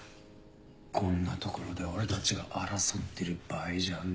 こんなところで俺たちが争ってる場合じゃねえ。